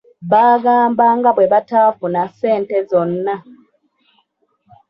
Baagamba nga bwe bataafuna ssente zonna.